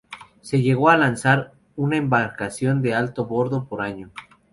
Se llegó a lanzar una embarcación de alto bordo por año.